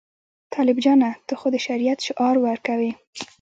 طالب جانه ته خو د شریعت شعار ورکوې.